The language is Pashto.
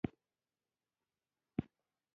د ژوند ټول امکانات ورته برابر کړي.